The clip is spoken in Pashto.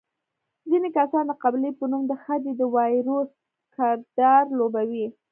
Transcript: ځینې کسان د قبیلې په نوم د خدۍ د وایروس کردار لوبوي.